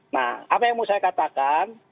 nah apa yang mau saya katakan